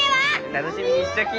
楽しみにしちょき！